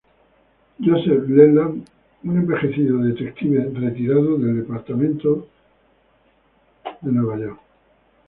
Joseph Leland: Un envejecido detective retirado del Departamento de Policía de Nueva York.